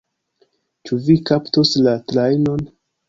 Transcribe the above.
Ĉu vi kaptos la trajnon?